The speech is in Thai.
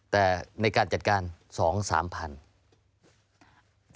แต่ในการจัดการคือ๒๓๐๐